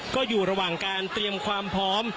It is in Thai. ก็อยู่ระหว่างการเตรียมความพร้อม